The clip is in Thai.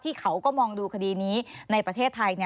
เขาก็มองดูคดีนี้ในประเทศไทย